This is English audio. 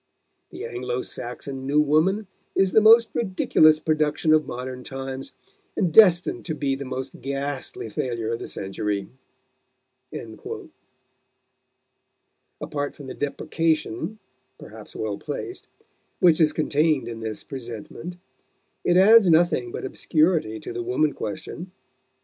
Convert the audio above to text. The Anglo Saxon 'new woman' is the most ridiculous production of modern times, and destined to be the most ghastly failure of the century." Apart from the deprecation perhaps well placed which is contained in this presentment, it adds nothing but obscurity to the woman question.